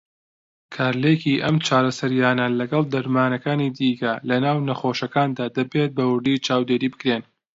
کارلێکی ئەم چارەسەریانە لەگەڵ دەرمانەکانی دیکه لەناو نەخۆشەکاندا دەبێت بە وردی چاودێری بکرێن.